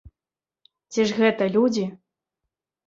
Ці ж гэта людзі?